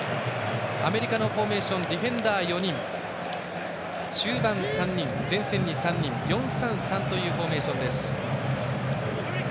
アメリカのフォーメーションはディフェンダーが４人中盤３人、前線に３人４−３−３のフォーメーション。